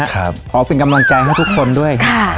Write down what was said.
ขอเป็นกำลังใจให้ทุกคนด้วย